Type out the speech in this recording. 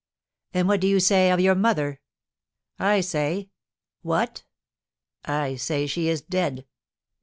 "And what do you say of your mother?" "I say " "What?" "I say she is dead."